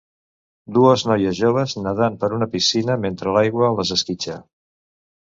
Dues noies joves nedant per una piscina mentre l"aigua les esquitxa.